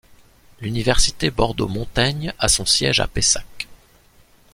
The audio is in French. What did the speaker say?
L'université Bordeaux Montaigne a son siège à Pessac.